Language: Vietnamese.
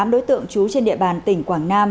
tám đối tượng trú trên địa bàn tỉnh quảng nam